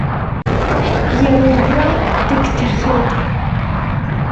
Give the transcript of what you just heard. Иара убра дагьҭахеит.